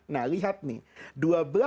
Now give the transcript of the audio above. nah lihat nih